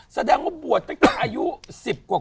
แสดงว่าบวชตั้งแต่อายุ๑๐กว่า